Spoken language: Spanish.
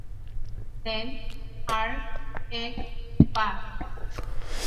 Cen., Arg., Ec., Par.